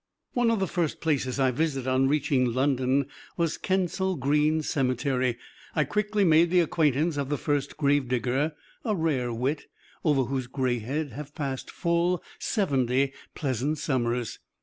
One of the first places I visited on reaching London was Kensal Green Cemetery. I quickly made the acquaintance of the First Gravedigger, a rare wit, over whose gray head have passed full seventy pleasant summers.